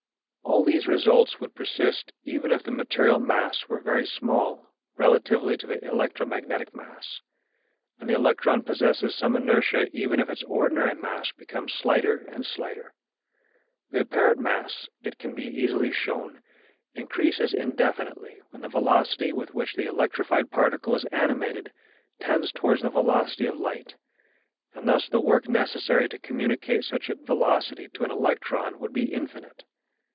All these results would persist even if the material mass were very small relatively to the electromagnetic mass; and the electron possesses some inertia even if its ordinary mass becomes slighter and slighter. The apparent mass, it can be easily shown, increases indefinitely when the velocity with which the electrified particle is animated tends towards the velocity of light, and thus the work necessary to communicate such a velocity to an electron would be infinite.